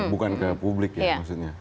bukan ke publik ya maksudnya